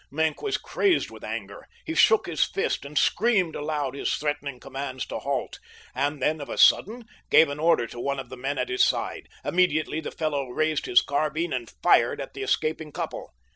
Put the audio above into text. Maenck was crazed with anger. He shook his fist and screamed aloud his threatening commands to halt, and then, of a sudden, gave an order to one of the men at his side. Immediately the fellow raised his carbine and fired at the escaping couple.